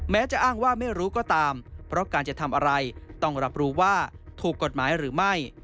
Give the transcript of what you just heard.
จะอ้างว่าไม่รู้ก็ตามเพราะการจะทำอะไรต้องรับรู้ว่าถูกกฎหมายหรือไม่